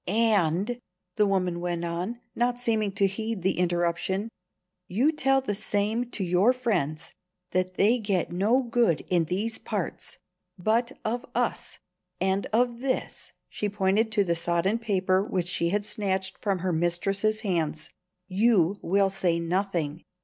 "And," the woman went on, not seeming to heed the interruption, "you tell the same to your friends, that they get no good in these parts. But, of us and of this" she pointed to the sodden paper which she had snatched from her mistress's hands "you will say nothing.